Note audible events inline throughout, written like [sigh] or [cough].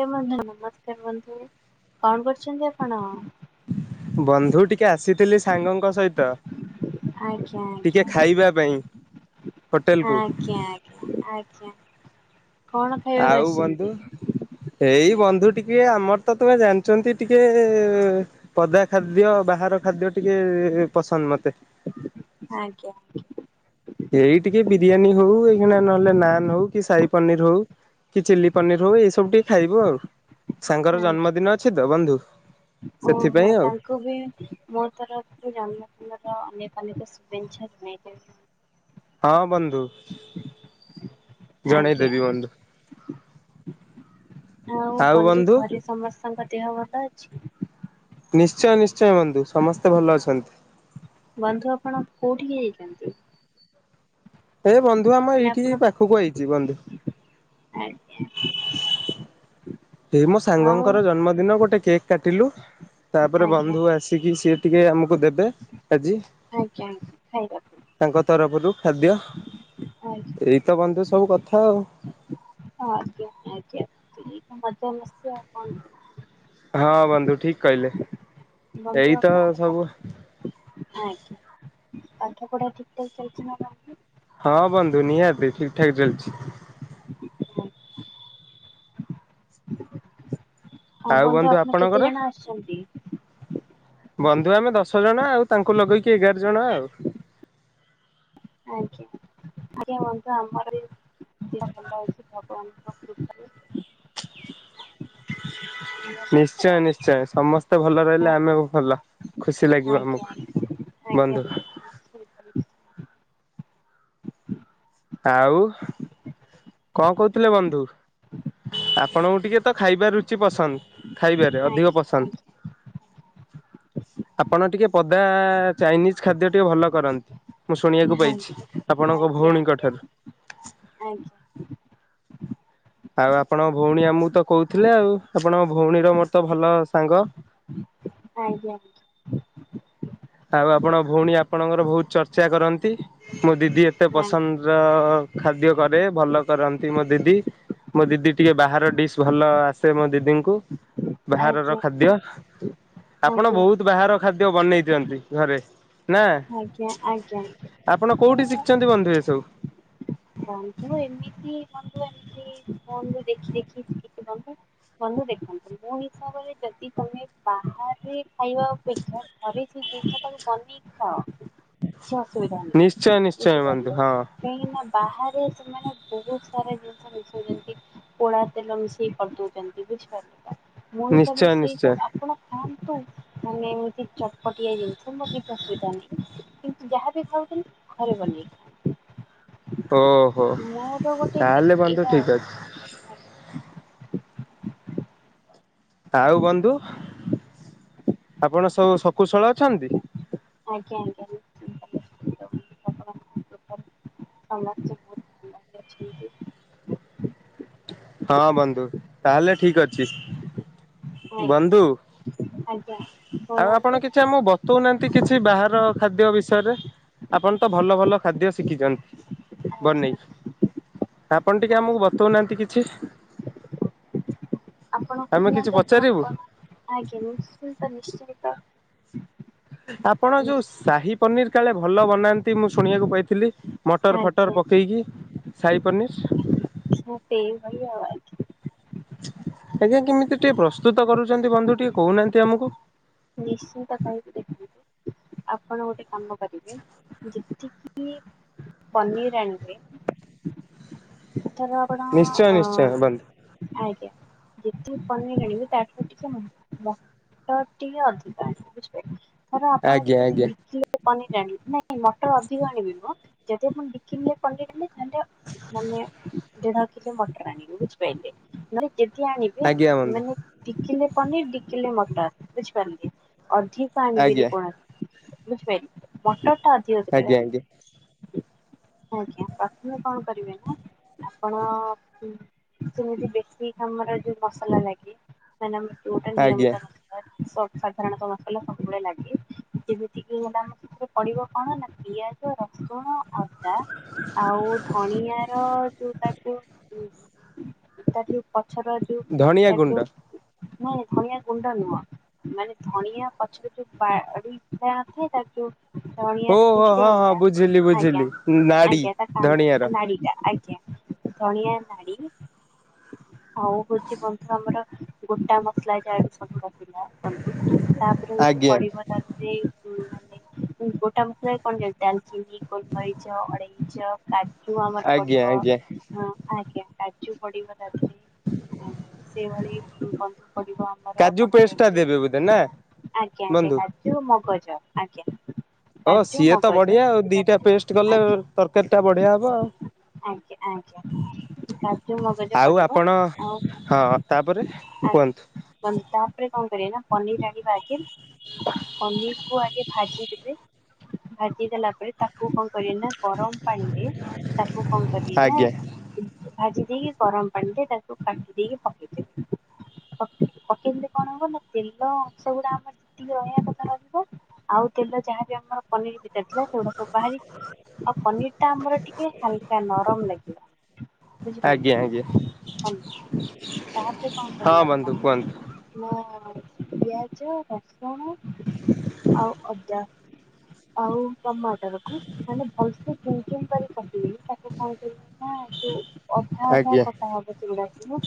[unintelligible] ନମସ୍କାର ବନ୍ଧୁ। କଣ କରୁଛନ୍ତି ଆପଣ? ବନ୍ଧୁ ଟିକେ ଆସିଥିଲି ସାଙ୍ଗଙ୍କ ସହିତ ଆଜ୍ଞା ଆଜ୍ଞା ଟିକେ ଖାଇବା ପାଇଁ ହୋଟେଲ କୁ ଆଚ୍ଛା। ଆଉ ବନ୍ଧୁ? ଏଇ ବନ୍ଧୁ ଟିକେ ଆମର ତ ତୁମେ ଜାଣିଛନ୍ତି ଟିକେ ପଦା ଖାଦ୍ୟ, ବାହାର ଖାଦ୍ୟ ଟିକେ ପସନ୍ଦ ମତେ। ଆଜ୍ଞା। ଏଇ ଟିକେ ବିରିୟାନୀ ହଉ, ଏଇଖିଣା ନହେଲେ ନାନ୍ ହଉ କି ସାହି ପନିର ହଉ କି ଚିଲି ପନିର ହଉ ଏଇ ସବୁ ଟିକେ ଖାଇବୁ ଆଉ। ସାଙ୍ଗର ଆଜ୍ଞା। ଜନ୍ମଦିନ ଅଛି ତ ବନ୍ଧୁ। ଓହୋ ସେଥିପାଇଁ ତାଙ୍କ ଆଉ ତାଙ୍କୁ ବି, ମୋ ତରଫରୁ ଜନ୍ମଦିନର ଅନେକ ଅନେକ ଶୁଭେଚ୍ଛା ଜଣାଇ ଦେବେ। ହଁ ବନ୍ଧୁ। ଆଜ୍ଞା, ଜଣେଇଦେବି ବନ୍ଧୁ ଆଜ୍ଞା। ଆଉ ବନ୍ଧୁ ଘରେ ସମସ୍ତଙ୍କ ଦେହ ଭଲ ଅଛି? ନିଶ୍ଚୟ, ନିଶ୍ଚୟ ବନ୍ଧୁ। ସମସ୍ତେ ଭଲ ଅଛନ୍ତି। ବନ୍ଧୁ ଆପଣ କୋଉଠିକି ଯାଇଛନ୍ତି? ଏ ବନ୍ଧୁ ଆମ ମାନେ ଏଇଠି ଆପଣ ପାଖକୁ ଆଇଛି ବନ୍ଧୁ। ଆଜ୍ଞା। ଏଇ ମୋ ଆଉ ସାଙ୍ଗଙ୍କର ଜନ୍ମଦିନ ଗୋଟେ କେକ୍ କାଟିଲୁ ତାପରେ ଆଜ୍ଞା ଆଜ୍ଞା ବନ୍ଧୁ ଆସିକି ସିଏ ଟିକେ ଆମକୁ ଦେବେ ଆଜି। ଆଜ୍ଞା ଆଜ୍ଞା ଖାଇବାକୁ? ତାଙ୍କ ତରଫରୁ ଖାଦ୍ୟ। ଆଉ ଏଇ ତ ବନ୍ଧୁ ସବୁ କଥା ଆଉ ହଁ ଆଜ୍ଞା ଆଜ୍ଞା, ମଜା ମସ୍ତି ଆଉ କଣ। ହଁ ବନ୍ଧୁ ଠିକ କହିଲେ ବନ୍ଧୁ ଏଇତ ଆପଣଙ୍କ ପାଠ ସବୁ ଆଜ୍ଞା, ପାଠ ପଢ଼ା ଠୀକ ଠାକ ଚାଲିଛି ଆପଣଙ୍କର? ହଁ ବନ୍ଧୁ ନିହାତି ଠିକ ଠାକ ଚାଲିଛି। ହଁ ଆଉ ବନ୍ଧୁ ଆପଣ କେତେ ଆପଣଙ୍କର? ଜଣ ଆସିଛନ୍ତି? ବନ୍ଧୁ ଆମେ ଦଶ ଜଣ ଆଉ ତାଙ୍କୁ ଲଗେଇକି ଏଗାର ଜଣ ଆଉ। ଆଜ୍ଞା ଆଜ୍ଞା ବନ୍ଧୁ ଆମର ବି, ଭଲ ଅଛି ଭଗବାନଙ୍କ କୃପାରୁ। ଏଇଆ [inaudible] ବନ୍ଧୁ ନିଶ୍ଚୟ, ଆଉ ନିଶ୍ଚୟ, ସମସ୍ତେ ଭଲ ରହିଲେ ଆମେ ବି ଭଲ, ଖୁସି ଆଜ୍ଞା ଲାଗିବ ଆଜ୍ଞା ଆମକୁ। ଆଜ୍ଞା ଆଜ୍ଞା ବନ୍ଧୁ ନିଶ୍ଚିତ ନିଶ୍ଚିତ। ଆଉ କଣ କହୁଥିଲେ ବନ୍ଧୁ ଆପଣଙ୍କୁ ଟିକେ ତ ଖାଇବା ରୁଚି ପସନ୍ଦ? ଖାଇବାରେ ଅଧିକ ଆଜ୍ଞା ପସନ୍ଦ। ଆଜ୍ଞା ଆପଣ ଟିକେ ପଦା ଚାଇନିଜ ଖାଦ୍ୟ ଟିକେ ଭଲ କରନ୍ତି। ମୁଁ ଶୁଣିବାକୁ ପାଇଛି ଆଜ୍ଞା ଆଜ୍ଞା ଆଜ୍ଞା ଆଜ୍ଞା ଆପଣଙ୍କ ଭଉଣୀଙ୍କ ଠାରୁ ଆଜ୍ଞା। ଆଉ ଆପଣଙ୍କ ଭଉଣୀ ଆମକୁ ତ କହୁଥିଲେ ଆଉ ଆପଣଙ୍କ ଭଉଣୀର ମୋର ତ ଭଲ ସାଙ୍ଗ। ଆଜ୍ଞା। ଆଉ ଆପଣଙ୍କ ଭଉଣୀ ଆପଣଙ୍କର ବହୁତ ଚର୍ଚ୍ଚା କରନ୍ତି ମୋ ଦିଦି ଏତେ ପସନ୍ଦ ର ଖାଦ୍ୟ କରେ ଭଲ କରନ୍ତି ମୋ ଦିଦି। ମୋ ଦିଦି ଟିକେ ବାହାର ଡିସ୍ ଭଲ ଆସେ ମୋ ଦିଦିଙ୍କୁ। ବାହାରର ଆଜ୍ଞା ଆଜ୍ଞା ଖାଦ୍ୟ ଆପଣ ଆଜ୍ଞା ବହୁତ ବାହାର ଖାଦ୍ୟ ବନେଇ ଦିଅନ୍ତି ଘରେ ନା ଆଜ୍ଞା ଆଜ୍ଞା ଆଜ୍ଞା ଆପଣ କୋଉଠି ସି ମୁଁ ଛନ୍ତି ବନ୍ଧୁ ଏ ସବୁ? ବନ୍ଧୁ ଏମିତି ବନ୍ଧୁ ଏମିତି ଫୋନରୁ ଦେଖି ଦେଖି ଶିଖିଛି ବନ୍ଧୁ। ବନ୍ଧୁ ଦେଖନ୍ତୁ ମୋ ହିସାବରେ ଯଦି ତମେ ବାହାରେ ଖାଇବା ଅପେକ୍ଷା ଘରେ ସେଇ ଜିନିଷଟାକୁ ବନେଇକି ଖାଅ। କିଛି ଅସୁବିଧା ନିଶ୍ଚୟ ନାହିଁ ନିଶ୍ଚୟ ବନ୍ଧୁ ବୁଝିପାରିଲେ ହଁ କାହିଁକି ନା? ବାହାରେ ସେମାନେ ବହୁତ ସାରା ଜିନିଷ ମିଶଉଛନ୍ତି। ପୋଳା ତେଲ ମିଶେଇ କରିଦଉଛନ୍ତି ବୁଝିପାରିଲେ? ମୋ ହିସାବରେ ନିଶ୍ଚୟ ସେଇ ସବୁ ନିଶ୍ଚୟ ଆପଣ ଖାଆନ୍ତୁ ମାନେ ଏମିତି ଚ ପଟିଆ ଜିନିଷ ମୋର କିଛି ଅସୁବିଧା ନାହିଁ କିନ୍ତୁ ଯାହା ବିି ଖାଉଛନ୍ତି ଘରେ ବନେଇ ଓହୋ ମୋର ଗୋଟେ ତାହେଲେ ଏମିତି ବନ୍ଧୁ ଏଇଟା ଠିକ ଅଛି। ଆଉ ବନ୍ଧୁ ଆପଣ ସବୁ ଶକୁଶଳ ଅଛନ୍ତି? ଆଜ୍ଞା ଆଜ୍ଞା ସମସ୍ତେ। ହୁଁ ହୁଁ। ହଁ ବନ୍ଧୁ ତାହେଲେ ଠିକ ଅଛି। ବନ୍ଧୁ ଆଜ୍ଞା ଆଜ୍ଞା କହୁନାହାନ୍ତି? ଆାମଁ ବତଉନାହାନ୍ତି କିଛି ବାହାର ଖାଦ୍ୟ ବିଷୟରେ ଆପଣ? ତ ଭଲ ଭଲ ଖାଦ୍ୟ ଶିଖିଛନ୍ତି ଆଜ୍ଞା ବନେଇ ଆଜ୍ଞା ଆପଣ ଟିକେ ଆମକୁ ଆଜ୍ଞା ବତଉନାହାନ୍ତି କିଛି ଆପଣ ଆମେ କିଛି କହୁନାହାନ୍ତି ଆପଣ ପଚାରିବୁ କଣ ଆଜ୍ଞା ନିଶ୍ଚିନ୍ତ ନିଶ୍ଚିନ୍ତ। ଆପଣ ଯୋଉ ନିଶ୍ଚିନ୍ତ ସାହି ପନିର କାଳେ ଭଲ ବନାନ୍ତି ମୁଁ ଶୁଣିବାକୁ ପାଇଥିଲି। ମଟର୍ ଫଟର୍ ପକେଇକି ସାହି ପନିର୍? ହ ସେଇ ଭଳିଆ ଆଜ ଆଜ୍ଞା, କେମିତି ଟିକେ ପ୍ରସ୍ତୁତ କରୁଛନ୍ତି ବନ୍ଧୁ ଟିକେ କହୁନାହାନ୍ତି ଆମକୁ? ନିଶ୍ଚିନ୍ତ କିହିବି ଦେଖନ୍ତୁ ଆପଣ ଗୋଟେ କାମ କରିବେ ଯେତିକି ପନିର ଆଣିବେ ତାର ନିଶ୍ଚୟ, ନିଶ୍ଚୟ, ବନ୍ଧୁ। ଆଜ୍ଞା, ଯେତିକି ପନିର ଆଣିବେ ତାଠୁ ଟିକେ ମଟର ଟିକେ ଅଧିକ ଆଣିବେ ବୁଝିପାରିଲେ, ଧର ଆପଣ ଆଜ୍ଞା ଯଦି ଆଜ୍ଞା ଦି କିଲୋ ପନିର ଆଣିବି ନାଇଁ ମଟର ଅଧିକ ଆଣିବେ ମ ଯଦି ଆପଣ ଦି କିଲେ ପନିର ଆଣିବେ ତା ମାନେ ଦେଢ଼କିଲୋ ମଟର ଆଣିବେ ବୁଝିପାରିଲେ ମାନେ ଯେତିକି ଆଣିବେ ଆଜ୍ଞା ବନ୍ଧୁ ମାନେ ଦି କିଲେ ପନିର ଦି କିଲେ ମଟର ବୁଝିପାରିଲେ ଅଧିକ ଆଣିବେନି ଆଜ୍ଞା। କୌଣସି ବୁଝିପାରିଲେ ମଟର ଅଧିକ ଦେବେ ହ [unintelligible] ଆଜ୍ଞା, ପ୍ରଥମେ କଣ କରିବେ ନା ଆପଣ ସେମିତି ବେଶିକ ଆମର ଯୋଉ ମସଲା ନାଇକି ମାନେ ଆମର ଯୋଉଟା ଆଜ୍ଞା ନିୟମିତ ମସ ସ ସାଧାରଣତଃ ମସଲା ସବୁବେଳେ ଲାଗେ ଯେମିତିକି ହେଲା ରେ ପଡ଼ିବ କଣ ନା ପିଆଜ, ରସୁଣ, ଅଦା ଆଉ ଧଣିଆ ର ଯୋଉ ତାକୁ ହ [unintelligible] ତା ଯୋଉ ପଛର ଯୋଉ ତାର ଗୁଣ୍ଡ ଯୋଉ ନାଇଁ ଧନିଆ ଗୁଣ୍ଡ ନୁହଁ। ମାନେ ଧନିଆ ପଛରେ ଯଉ ବାଆଡ଼ି ଥାଏ ତା ଯୋଉ ଧଣିଆର ଯୋଉ ଓହୋ ହଁ ଷ୍ଟେମ୍ ହଁ ଟା ବୁଝିଲି ଆଜ୍ଞା ବୁଝିଲି। ନାଡି ଆଜ୍ଞା ତା ଧଣିଆର କଣ୍ଡ ନାଡ଼ିଟା ଆଜ୍ଞା। ଧଣିଆ ନାଡ଼ି ଆଉ ହଉଛି ବନ୍ଧୁ ଆମର ଗୋଟା ମସଲା ଯାହା ସବୁ ରହିଲା ବନ୍ଧୁ ତାପରେ ହଉଛି ଆଜ୍ଞା। ପଡ଼ିବ ତା ଦେଇ ଉମ୍ ମାନେ ଗୋଟା ମସଲାରେ କଣ ଯାଏ ଡ଼ାଲଚିନି, ଗୋଲମରିଚ, ଅଳେଇଚ, କା ଜୁ ଆମର ଆଜ୍ଞା ପଡ଼ିବ ଆଜ୍ଞା ହଁ ଆଜ୍ଞା କାଜୁ ପଡ଼ିବ ତା ଦେହରେ। ଆ ସେଇଭଳି ବନ୍ଧୁ ପଡ଼ିବ ଆମର ଯୋଉ କଣ ପେଷ୍ଟ୍ ଟା କହିଲେ ଦେବେ ବୋଧେ ନା ବନ୍ଧୁ। ଜୁ ମଗଜ ଆଜ୍ଞା। ଓ କାଜୁ ସିଏତ ମଗଜ ବଢ଼ିଆ ଆଉ ଦିଟା ପଡିବ ପେଷ୍ଟ୍ କଲେ ଆଜ୍ଞା ତରକାରୀ ଟା ବଢ଼ିଆ ହବ ଆଉ। ଆଜ୍ଞା ଆଜ୍ଞା। କାଜୁ ମଗଜ ଆଉ ପଡ଼ିବ ଆପଣ ଆଉ ହଁ ତାପରେ ଆଜ୍ଞା କୁହନ୍ତୁ ବନ୍ ତାପରେ କଣ କରିବେ ନା ପନିର ଆଣିବା ଆଗେ। ପନିର କୁ ଆଗେ ଭାଜିଦେବେ ଭାଜି ଦେଲା ପରେ ତାକୁ କଣ କରିବେ ନା ଗରମ ପଣିରେ ତାକୁ କଣ କରିବେ ନା ଆଜ୍ଞା ଭାଜି ଦେଇକି ଗରମ ପାଣିିରେ ତାକୁ କାଟି ଦେଇକି ପକେଇ ଦେବେ। ପକେଇ ଦେଲେ କଣ ହବ ନା ତେଲ ଅଂଶ ଗୁଡ଼ା ଆମ ଯେତିକି ରହିବା କଥା ରହିବ ଆଉ ତେଲ ଯାହାବି ଆମର ପନିର ଭିତରେ ଥିଲା ସେଗୁଡ଼ା ସବୁ ବାହାରି ଆଉ ପନିର ଟା ଆମର ଟିକେ ହାଲକା ନରମ ଲାଗିବ ଆଜ୍ଞା ବୁଝିପାଇଲେ? ଆଜ୍ଞା ହ୍ୟାଲୋ ତାପରେ କଣ ହଁ କରିବେ ବନ୍ଧୁ ଆପଣ କୁହନ୍ତୁ ନା ପିଆଜ, ରସୁଣ, ଆଉ ଅଦା ଆଉ ଟମାଟର କୁ ମାନେ ଭଲସେ କରି ଚୂନ୍ ଚୂନ୍ କରି କାଟିବେ ତାକୁ କଣ କରି ନା ଯୋଉ ଅଧା ଅଧା ଆଜ୍ଞା କଟା ହବ। ସେଗୁଡ଼ାକ ସବୁ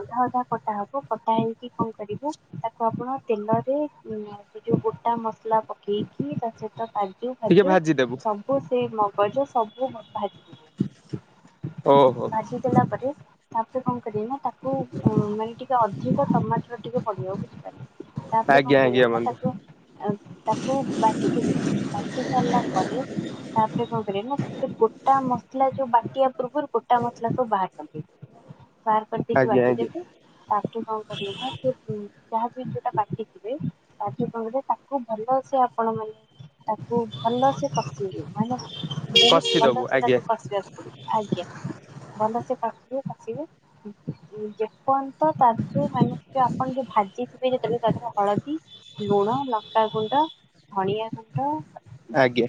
ଅଧା ଅଧା କଟା ହବ କ କଟା ହେଇକି କଣ କରିବ ତାକୁ ଆପଣ ତେଲରେ ଉଁ ତାକୁ ଯୋଉ ଗୋଟା ମସଲା ପକେଇକି ତା ସହିତ କା ଜୁ ଟିକେ ଫାଜୁ ଭାଜିଦେବୁ। ସବୁ ସେଇ ମଗଜ ସବୁ ମ ଭା ଓହୋ ଭାଜି ଦେଲା ପରେ ତାପରେ କଣ କରିଏ ନା ତାକୁ ଅଁ ମାନେ ଟିକେ ଅ ଅଧିକ ଟମାଟର ଟିକେ ପଡ଼ିବ ବୁଝିପାରିଲେ ତାପରେ କଣ ଆଜ୍ଞା କରିବେ ଆଜ୍ଞା ନା ବନ୍ଧୁ ତାକୁ ଆ ତାକୁ ବାଟି ଦେବେ। ବାଟି ସାରିଲା ପରେ ତାପରେ କଣ କରିବେ ନା ସେ ଗୋଟା ମସଲା ଯୋଉ ବାଟି ଆ ପୂର୍ବରୁ ଗୋଟା ମସଲା ସବୁ ବାହାର କରିଦେଇ ବାହାର କରିଦେଇକି ଆଜ୍ଞା ଆଜ୍ଞା ବାଟିଦେବେ। ଟି କଣ କରିବେ ନା ସେ ଯାହା ବି ସେଟା ବାଟିଥିବେ ତାଜୁ କଣ କରିବେ ତାକୁ ଭଲସେ ଆପଣ ମାନେ ତାକୁ ଭଲସେ କସିବେ ମାନେ ବହୁତ କଷିଦବୁ ଭଲ ସେ ଆଜ୍ଞା ତାକୁ କସିବାକୁ ଆଜ୍ଞା ଭଲ ସେ କସିବେ କସିବେ ଯେ ପନ୍ତ ତା [unintelligible] ଆପଣ ଯୋଉ ଭାଜି ଥିବେ ଯେତେବେଳେ ତା ଦେହରେ ହଳଦୀ ଲୁଣ ଲଙ୍କାଗୁଣ୍ଡ ଧଣିଆ ଗୁଣ୍ଡ ଆଜ୍ଞା।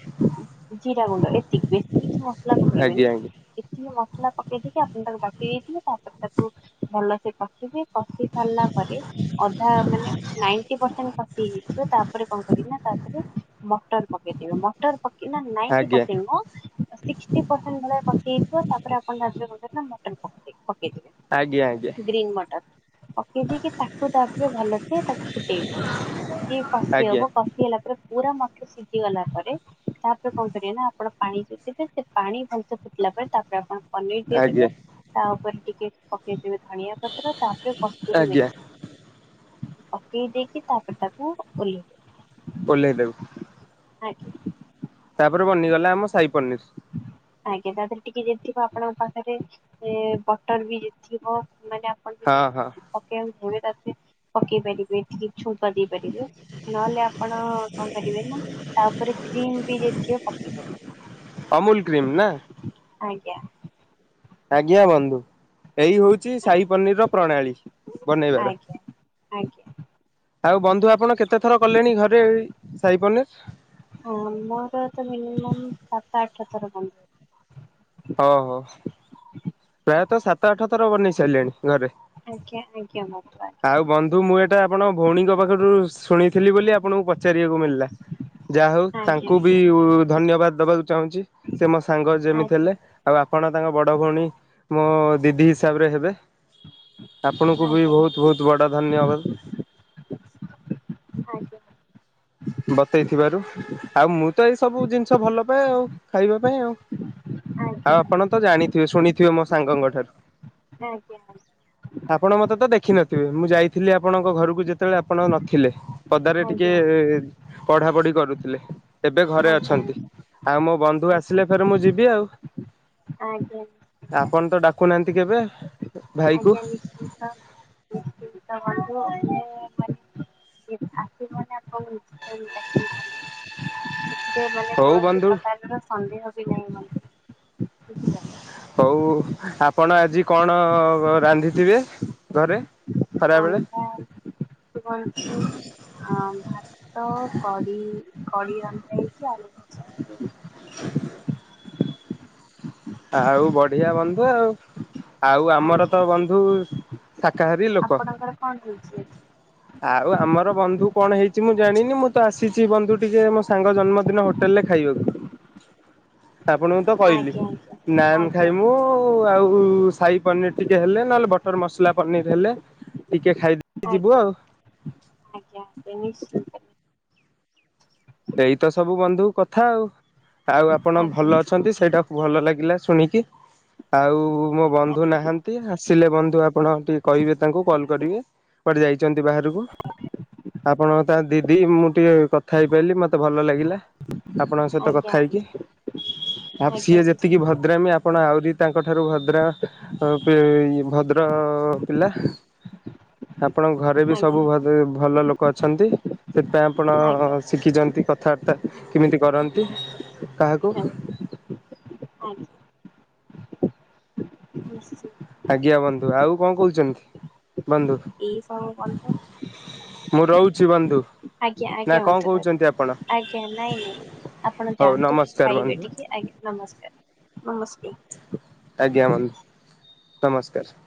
ଜିରା ଗୁଣ୍ଡ ଏତିକି ବେଶୀ କିଛି ମସଲା ଆଜ୍ଞା ପକେଇବେନି। ଏତିକି ମସଲା ପକେଇ ଦେଇକି ଆପଣ ତାକୁ ବାଟି ଦେଇଥିବେ ତାପରେ ତାକୁ ଭଲସେ କଷିବେ କସିି ସାରିଲା ପରେ ଅଧା ମାନେ ନାଇଣ୍ଟି ପରସେଣ୍ଟ୍ କସି ହେଇଯାଇଥିବ ତାପରେ କଣ କରିବେ ନା ତାଦେରେ ମଟର ପକେଇଦେବେ ମ ପ ନା ନାଇଣ୍ଟି ଆଜ୍ଞା ପରସେଣ୍ଟ ମ ସିକ୍ଟୀ ପରସେଣ୍ଟ ଭଳିଆ କସି ହୋଇଥିବ ତାପରେ ଆପଣ ମଟନ ପକେଇବେ। ଆଜ୍ଞା ଆଜ୍ଞା ପକେଇଦେବେ ଗ୍ରୀନ୍ ମଟର୍। ପକେଇ ଦେଇକିି ତାକୁ ତାପରେ ଭଲସ ତାକୁ ଫୁଟେଇବେ ସିଏ କଷି ଆଜ୍ଞା ହବ କ କଷି ହେଲା ପରେ ପୁରା ମଟ ସିଜି ଗଲା ପରେ ତାପରେ କଣ କରିବେ ନା ଆପଣ ପାଣି ଜିିବେ ସେ ପାଣି ଭଲସ ଫିଟିଲା ପରେ ତାପ ତାରେ ଆପଣ ପନିର ଆଜ୍ଞା ଦେଇଦେବେ ତା ଉପରେ ଟିକେ ପକେଇଦବେେ ଧଣିଆ ପ ତାପରେ କସ୍ତୁରୀ ଆଜ୍ଞା ମେଥି ପକେଇ ଦେଇକି ତାପରେ ତାକୁ ଓଲେଇ ଦେବେ। ଓହ୍ଲେଇ ଦେବୁ। ଆଜ୍ଞା। ତାପରେ ବନିଗଲା ଆମ ସାଇ ପନିର। ଆଜ୍ଞା ତା ଦେହରେ ଟିକେ ଯେତିଥିବ ଆପଣଙ୍କ ପାଖରେ ବଟର ବି ଯଦିଥିବ ମାନେ ଆପଣ ହଁ ଯଦି ହଁ ପକେଇବାକୁ ହୁଏ ତାରେ ପକେଇ ପାରିବେ ଟିକ ଛୁଙ୍କ ଦେଇ ପାରିବେ। ନହେଲେ ଆପଣ କଣ କରିବେ ନା ତା ଉପରେ କ୍ରିମ ବି ଯଦିଥିବ ପକେଇ ପାରିବେ। ଅମୁଲ କ୍ରିମ ନା। ଆଜ୍ଞା। ଆଜ୍ଞା ବନ୍ଧୁ ଏଇ ହଉଛି ସାହି ପନିରର ପ୍ରଣାଳୀ। ବନେଇବାର ଆଜ୍ଞା ଆଜ୍ଞା। ଆଉ ବନ୍ଧୁ ଆପଣ କେତେ ଥର କଲେଣି ଘରେ ସାହିପନିର? ହଁ ମୋର ତ ମିନିମମ୍ ସାତ ଆଠ ଥର ଖଣ୍ଡେ। ଓହୋ ପ୍ରାୟତଃ ସାତ ଆଠ ଥର ବନେଇ ସାରିଲେଣି ଘରେ। ଆଜ୍ଞା ଆଜ୍ଞା ବନ୍ଧୁ। ଆଉ ବନ୍ଧୁ ମୁଁ ଏଇଟା ଆପଣ ଭଉଣୀଙ୍କ ପାଖରୁ ଶୁଣିଥିଲି ବୋଲି ଆପଣଙ୍କୁ ପଚାରିବାକୁ ମିଳିଲା? ଯାହା ହଉ ଆଜ୍ଞା ତାଙ୍କୁ ବି ଧନ୍ୟବାଦ ଦବାକୁ ଚାହୁଁଛି ସେ ମୋ ସାଙ୍ଗ ଯେମିତି ଆଜ୍ଞା ଆଜ୍ଞା ହେଲେ। ଆଉ ଆପଣ ତାଙ୍କ ବଡ ଭଉଣୀ ମୋ ଦିଦି ହିସାବରେ ହେବେ। ଆପଣଙ୍କୁ ବି ଆଜ୍ଞା ଆଜ୍ଞା ବହୁତ ବହୁତ ବଡ ଧନ୍ୟବାଦ। ଆଜ୍ଞା। ବତେଇଥିବାରୁ ଆଉ ମୁଁ ତ ଏଇ ସବୁ ଜିନିଷ ଭଲ ପାଏ ଆଉ ଖାଇବା ପାଇଁ ଆଉ ଆଜ୍ଞା ଆଜ୍ଞା ଆଉ ଆପଣ ତ ଜାଣିଥିବେ ଶୁଣିଥିବେ ମୋ ସାଙ୍ଗଙ୍କ ଠାରୁ? ଆଜ୍ଞା। ଆପଣ ମତେ ତ ଦେଖିନଥିବେ ମୁଁ ଯାଇଥିଲି ଆପଣଙ୍କ ଘରକୁ ଯେତେ ଯେତେବେଳେ ଆପଣ ନଥିଲେ ପଦାରେ ଟିକେ ପଢା ପଢି କରୁଥିଲେ। ଏବେ ଘରେ ଆଜ୍ଞା ଅଛନ୍ତି ଆଜ୍ଞା ଆଉ ମୋ ବନ୍ଧୁ ଆଜ୍ଞା ଆସିଲେ ଫେରେ ମୁଁ ଯିବି ଆଉ ଆଜ୍ଞା ନିଶ୍ଚିନ୍ତ ଆପଣ ତ ଡାକୁନାହାନ୍ତି କେବେ? ଭାଇକୁ ଆଜ୍ଞା ନିଶ୍ଚିନ୍ତ ନିଶ୍ଚିନ୍ତ ବନ୍ଧୁ ମାନେ ଆସିବନ ଆପ [inaudible] ମାନେ ହଉ କୌଣସି ବନ୍ଧୁ। ପ୍ରକାରର ସନ୍ଦେହ ବି ନାହିଁ ମାନେ ହଉ ଆପଣ ଆଜି କଣ ରାନ୍ଧିଥିବେ ଘରେ? ଖରାବେଳେ ରନ୍ଧାହେଇଛି ଶୁଣନ୍ତୁ ଭାତ କ କଡି ରନ୍ଧା ହେଇଛି ଆଉ ଆଉ ବଢିଆ ବନ୍ଧୁ ଆଉ ଆଉ ଆମର ତ ଆଜ୍ଞା। ବନ୍ଧୁ ଶାକାହାରୀ ଲୋକ। ଆପଣଙ୍କର କଣ ହେଇଛି ଆଉ ଆମର ବନ୍ଧୁ କଣ ହେଇଛି ମୁଁ ଜାଣିନି ମୁଁ ତ ଆସିଛି ବନ୍ଧୁ ଟିକେ ମୋ ସାଙ୍ଗ ଜନ୍ମଦିନ ହୋଟେଲରେ ଖାଇବାକୁ। ଆପଣଙ୍କୁ ତ କହିଲି ଆଜି ଆଜ୍ଞା ନାନ ଖାଏ ଆଜ୍ଞା ମୁଁ ଆଉ ସାହି ପନିର ଟିକେ ହେଲେ ନହେଲେ ବଟର ମସଲା ପନିର ହେଲେ ଟିକେ ଖାଇଦ ଆଜ୍ଞା ଆଜ୍ଞା ଆଜ୍ଞା ନିଶ୍ଚ ଏଇତ ସବୁ ବନ୍ଧୁ କଥା ଆଉ ଆଉ ଆପଣ ଆଜ୍ଞା ଭଲ ଅଛନ୍ତି ସେଇଟା ଭଲ ଲାଗିଲା ଶୁଣିକି ଆଉ ମୋ ବନ୍ଧୁ ନାହାନ୍ତି ଆସିଲେ ବନ୍ଧୁ ଆପଣ ଟିକେ କହିବେ ତାଙ୍କୁ କଲ୍ କରିବେ। କୁଆଡେ ଯାଇଚନ୍ତି ବାହାରକୁ ଆପଣ ତା ଆଜ୍ଞା ଦିଦି ମୁଁ ଟିକେ କଥା ହେଇପାଇଲି। ମ ମତେ ଭଲ ଲାଗିଲା ଆପଣଙ୍କ ସହିତ ଆଜ୍ଞା କଥା ହେଇକି। ଆଜ୍ଞା। ଆଉ ଆଜ୍ଞା ସିଏ ଯେତିକି ନିଶ୍ଚିନ୍ତ ଭ ଦ୍ରାମି ଆପଣ ଆହୁରି ତାଙ୍କ ଠାରୁ ଭଦ୍ର ପି ଭଦ୍ର ପିଲା। ଆପଣଙ୍କ ଘରେ ବି ଆଜ୍ଞା ସବୁ ଭ ଭଲ ଲୋକ ଅଛନ୍ତି। ସେଥିପାଇଁ ଆପଣ ଆଜ୍ଞା ଶିଖିଚନ୍ତି କଥାବାର୍ତ୍ତା କେମିତି କରନ୍ତି ଆଜ୍ଞା କାହାକୁ। ଆଜ୍ଞା। [inaudible] ଆଜ୍ଞା ବନ୍ଧୁ ଆଉ କଣ କୋହୁଚନ୍ତି ବନ୍ଧୁ? ଏଇ ସବୁ ବନ୍ଧୁ ମୁଁ ରହୁଚି ବନ୍ଧୁ। ଆଜ୍ଞା ନା ଆଜ୍ଞା କଣ ବନ୍ଧୁ କହୁଛନ୍ତି ଆପଣ ଆଜ୍ଞା ନାଇଁ ନାଇଁ ଆପଣ ହଉ ଯାଆନ୍ତୁ ନମସ୍କାର ଖାଇବେ ବନ୍ଧୁ ଟିକେ। ଆଜ୍ଞା ନମସ୍କାର ନମସ୍କାର। ଆଜ୍ଞା ବନ୍ଧୁ। ନମସ୍କାର।